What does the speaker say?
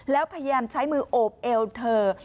แล้วพยายามใช้มือโอบเอวเธอ